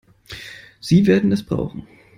Sie werden es brauchen.